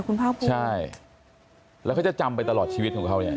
คุณภาคภูมิใช่แล้วเขาจะจำไปตลอดชีวิตของเขาเนี่ย